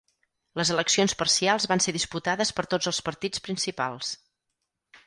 Les eleccions parcials van ser disputades per tots els partits principals.